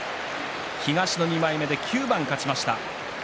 東の２枚目で９番勝ちました。